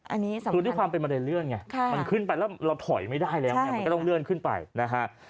อันนี้สำคัญนะครับมันขึ้นไปแล้วเราถอยไม่ได้แล้วมันก็ต้องเลื่อนขึ้นไปนะคะ